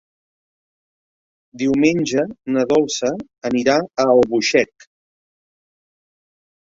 Diumenge na Dolça anirà a Albuixec.